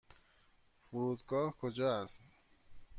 فرودگاه کجا است؟